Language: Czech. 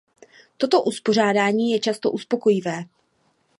Toto uspořádání je často uspokojivé.